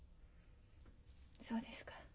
そうですか。